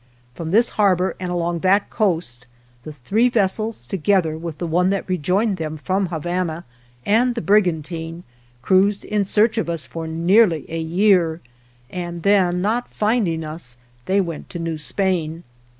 From this harbor and along that coast the three vessels, together with one that rejoined them from Habana and the brigantine, cruised in search of us for nearly a year, and then, not finding us, they went to New Spain.